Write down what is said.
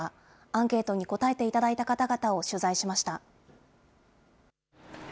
アンケートに答えていただいた方々を取材しました。